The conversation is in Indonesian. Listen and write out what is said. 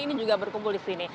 ini juga berkumpul di sini